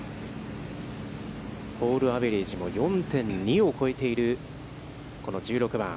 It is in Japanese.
ホールアベレージも４．２を超えているこの１６番。